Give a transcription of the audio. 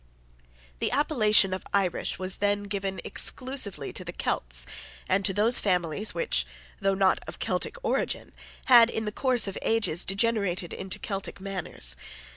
The appellation of Irish was then given exclusively to the Celts and to those families which, though not of Celtic origin, had in the course of ages degenerated into Celtic manners.